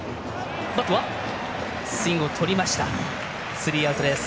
スリーアウトです。